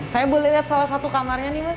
saya boleh lihat salah satu kamarnya nih mas